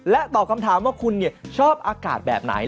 ตอบคำถามว่าคุณชอบอากาศแบบไหน